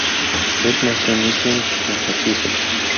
Roth nació en Newton, Massachusetts.